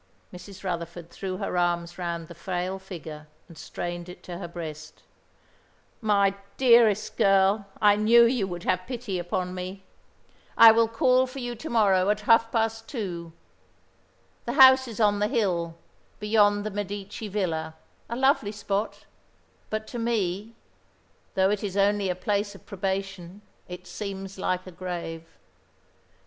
Mrs. Rutherford threw her arms round the frail figure and strained it to her breast. "My dearest girl, I knew you would have pity upon me. I will call for you to morrow at half past two. The house is on the hill, beyond the Medici Villa a lovely spot but to me, though it is only a place of probation, it seems like a grave.